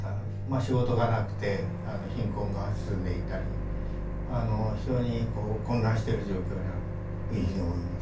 仕事がなくて、貧困が進んでいたり、非常に混乱している状況にあるというふうに思います。